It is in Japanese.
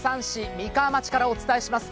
美川町からお伝えします。